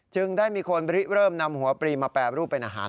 ได้มีคนเริ่มนำหัวปรีมาแปรรูปเป็นอาหาร